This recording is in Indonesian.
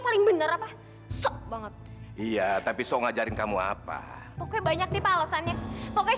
paling bener apa sek banget iya tapi so ngajarin kamu apa pokoknya banyak nih pak alasannya pokoknya